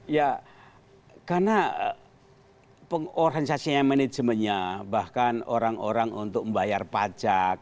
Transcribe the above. ya karena pengorganisasinya manajemennya bahkan orang orang untuk membayar pajak